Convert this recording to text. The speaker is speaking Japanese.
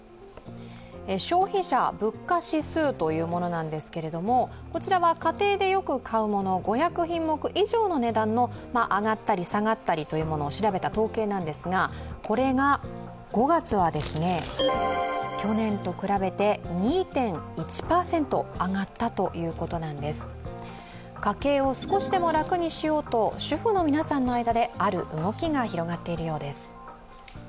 消費者物価指数というものなんですけれどもこちらは家庭でよく買うもの５００品目以上の値段を上がったり下がったりというものを調べた統計なんですが、これが５月は去年と比べて２．１％上がったということなんです家計を少しでも楽にしようと、主婦の皆さんの間である動きが広がっているようです。